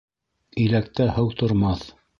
Иләктә һыу тормаҫ